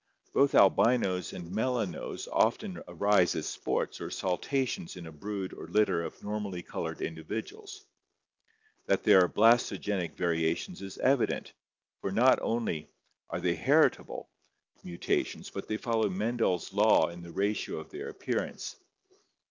Both albinos and melanos often arise as sports or saltations in a brood or litter of normally colored individuals. That they are blastpgenic variations is evident, for not only are they heritable 232 ORGANIC EVOLUTION mutations but they follow Mendel's law in the ratio of their appear ance.